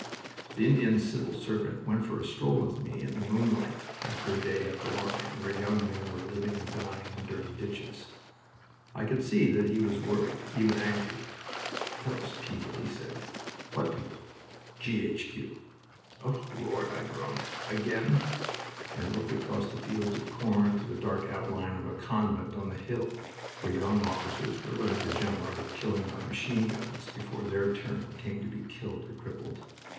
The Indian Civil Servant went for a stroll with me in the moonlight, after a day up the line, where young men were living and dying in dirty ditches. I could see that he was worried, even angry. "Those people!" he said. "What people?" "G. H. Q." "Oh, Lord!" I groaned. "Again?" and looked across the fields of corn to the dark outline of a convent on the hill where young officers were learning the gentle art of killing by machine guns before their turn came to be killed or crippled.